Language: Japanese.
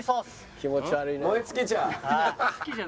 気持ち悪いな。